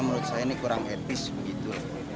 menurut saya ini kurang etis begitu